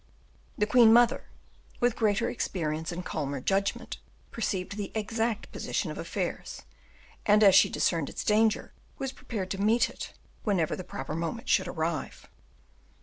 The queen mother, with greater experience and calmer judgment, perceived the exact position of affairs, and, as she discerned its danger, was prepared to meet it, whenever the proper moment should arrive.